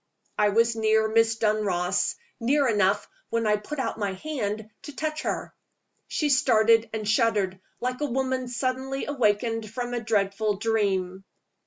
I was near Miss Dunross near enough, when I put out my hand, to touch her. She started and shuddered, like a woman suddenly awakened from a dreadful dream.